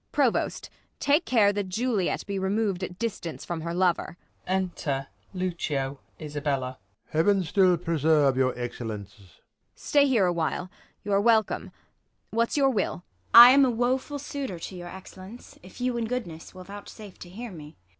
Provost take care that Juliet be remov'd At distance from her lover. Unter Lucio, Isabell, Prov. Heaven still preserve your Excellence. Ang. Stay here aAvhile ! Y'are welcome. What's your will 1 ISAB. I am a woeful suitor to your Excellence, If you in goodness will vouchsafe to hear me.